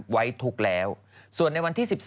ไว้ทุกข์แล้วส่วนในวันที่๑๒